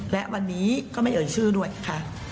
และวันนี้ก็ไม่เอ่ยชื่อด้วยค่ะ